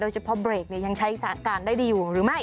เฉพาะเบรกยังใช้สถานการณ์ได้ดีอยู่หรือไม่